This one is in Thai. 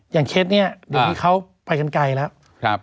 อย่างเคสเนี่ยเดี๋ยวที่เขาไปกันไกลแล้ว